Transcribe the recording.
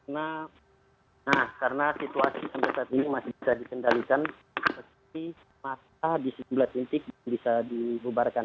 nah karena situasi sampai saat ini masih bisa dikendalikan pasti mata di sebelah cinti bisa dibubarkan